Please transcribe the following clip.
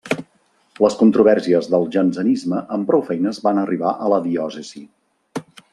Les controvèrsies del jansenisme amb prou feines van arribar a la diòcesi.